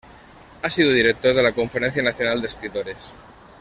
Ha sido director de la Conferencia Nacional de Escritores.